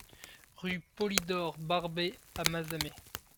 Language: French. Rue Polydore Barbey à Mazamet